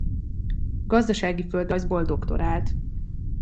Gazdasági földrajzból doktorált.